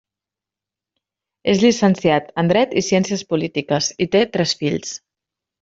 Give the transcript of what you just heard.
És llicenciat en dret i ciències polítiques i té tres fills.